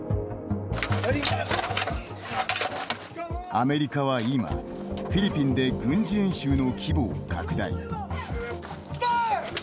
アメリカは今、フィリピンで軍事演習の規模を拡大。